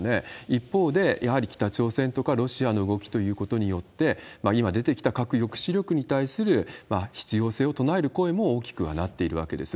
一方で、やはり北朝鮮とかロシアの動きということによって、今出てきた核抑止力に対する必要性を唱える声も大きくはなってきているわけです。